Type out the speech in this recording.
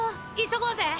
急ごうぜ！